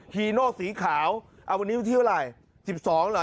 คีโนสีขาววันนี้ที่เวลา๑๒หรือ